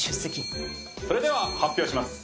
それでは発表します。